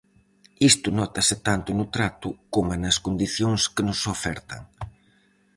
Isto nótase tanto no trato coma nas condicións que nos ofertan.